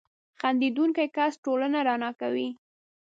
• خندېدونکی کس ټولنه رڼا کوي.